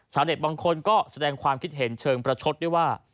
เน็ตบางคนก็แสดงความคิดเห็นเชิงประชดด้วยว่า